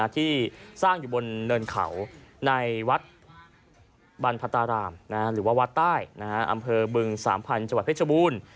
ที่สร้างอยู่บนเนินเขาในวัดบรรพตารามหรือว่าวัดใต้อำเภอบึงสามพันธุ์จังหวัดเพชรบูรณ์